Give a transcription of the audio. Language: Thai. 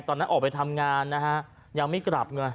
ตอนนั้นออกไปทำงานนะฮะยังไม่กลับไง